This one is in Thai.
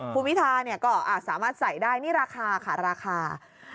คุณวิทาเนี่ยก็สามารถใส่ได้นี่ราคาค่ะราคา